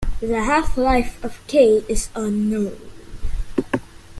The half-life of K is unknown.